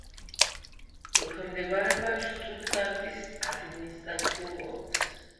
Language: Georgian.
ექვემდებარება შტუტგარტის ადმინისტრაციულ ოლქს.